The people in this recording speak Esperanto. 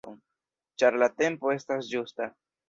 Ĉar la tempo estas ĝusta!